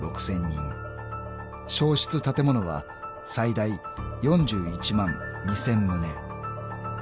［焼失建物は最大４１万２，０００棟］